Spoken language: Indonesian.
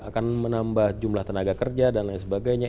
akan menambah jumlah tenaga kerja dan lain sebagainya